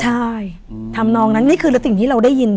ใช่ทำนองนั้นนี่คือแล้วสิ่งที่เราได้ยิน